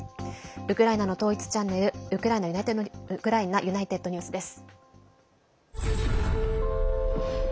ウクライナの統一チャンネルウクライナＵｎｉｔｅｄＮｅｗｓです。